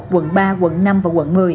quận ba quận năm và quận một mươi